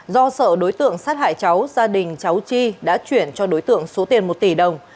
do sợ đối tượng sát hại cháu gia đình cháu chi đã chuyển cho đối tượng số tiền một tỷ đồng